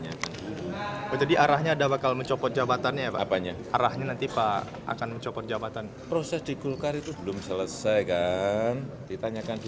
pak berkait kalau dari bapak sendiri pesan kepada kementerian sosial yang baru ini apa aja